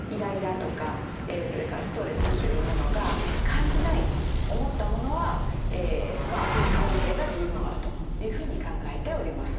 それからストレスというものが感じないと思ったものは可能性が十分あるというふうに考えております。